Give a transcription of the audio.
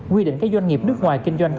quy định các doanh nghiệp nước ngoài kinh doanh